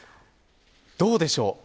どうでしょう。